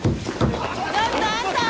ちょっとあんた！